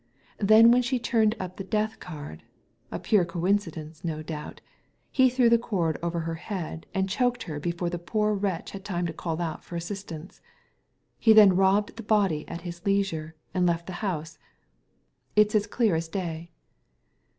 Then when she turned up the death card — a pure coincidence, no doubt — ^he threw the cord over her head and choked her before the poor wretch had time to call out for assistance. He then robbed the body at his leisure, and left the house. It's as clear as day."